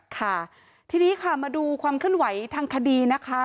ค่ะทีนี้ค่ะมาดูความเคลื่อนไหวทางคดีนะคะ